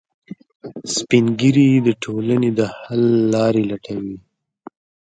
سپین ږیری د ټولنې د حل لارې لټوي